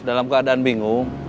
dalam keadaan bingung